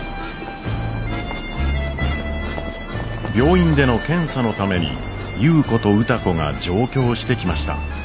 病院での検査のために優子と歌子が上京してきました。